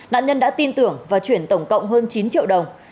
nạn nhân đã tin tưởng và chuyển tổng cộng hơn chín triệu đồng